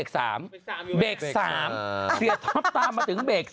ครับแน้นเดี๋ยวเบรกแปปนึงค่ะ